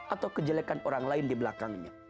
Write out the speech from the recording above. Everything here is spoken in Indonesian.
atau kejelekan orang lain di belakangnya